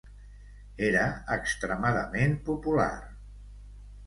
Era extremadament popular.